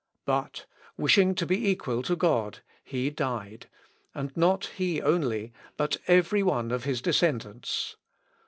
But wishing to be equal to God, he died ... and not he only, but every one of his descendants.